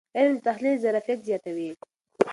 علم د تحلیل ظرفیت زیاتوي.